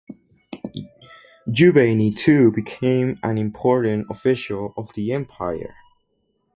Juvayni too became an important official of the empire.